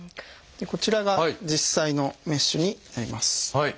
こちらが実際のメッシュになります。